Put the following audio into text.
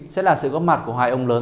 sẽ là sự góp mặt của hai ông lớn